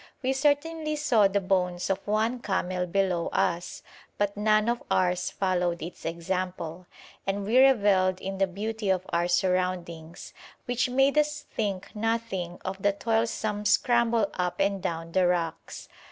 We certainly saw the bones of one camel below us, but none of ours followed its example; and we revelled in the beauty of our surroundings, which made us think nothing of the toilsome scramble up and down the rocks.